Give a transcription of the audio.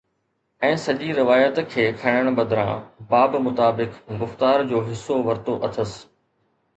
۽ سڄي روايت کي کڻڻ بدران باب مطابق گفتار جو حصو ورتو اٿس